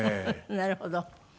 なるほど。